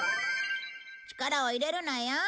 力を入れるなよ。